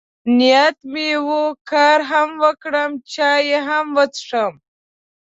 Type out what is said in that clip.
نیت مې و، کار هم وکړم، چای هم وڅښم.